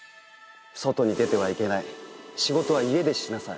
外に出てはいけない仕事は家でしなさい。